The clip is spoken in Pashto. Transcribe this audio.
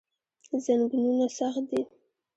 زنګونونه سخت دي.